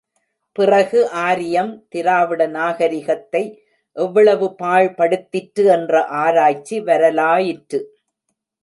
பிறகு ஆரியம், திராவிட நாகரிகத்தை எவ்வளவு பாழ்படுத்திற்று என்ற ஆராய்ச்சி வரலாயிற்று.